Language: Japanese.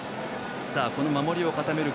守りを固める